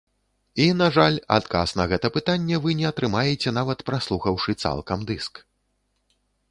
І, на жаль, адказ на гэта пытанне вы не атрымаеце нават праслухаўшы цалкам дыск.